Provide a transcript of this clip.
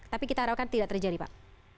tapi kita harapkan tidak terjadi pak